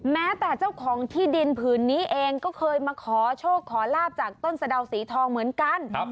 แม้แต่เจ้าของที่ดินผืนนี้เองก็เคยมาขอโชคขอลาบจากต้นสะดาวสีทองเหมือนกัน